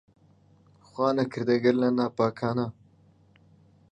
خوا نەکەردە گەر لە ناپاکانە